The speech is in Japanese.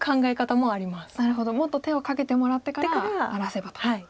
もっと手をかけてもらってから荒らせばと。